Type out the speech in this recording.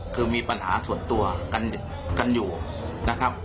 คือมีปัญหาส่วนตัวกันอยู่นะครับ